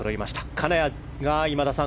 金谷が今田さん